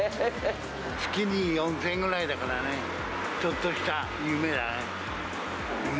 月に４０００円ぐらいだからね、ちょっとした夢だね。